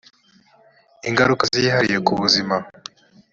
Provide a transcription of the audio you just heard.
ingaruka zihariye ku buzima